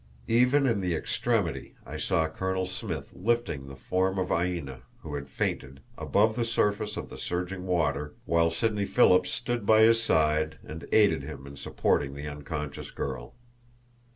Even in the extremity I saw Colonel Smith lifting the form of Aina, who had fainted, above the surface of the surging water, while Sidney Phillips stood by his side and aided him in supporting the unconscious girl.